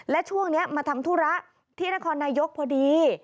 และช่วงนี้มาทำธุระที่นครนายกพอดี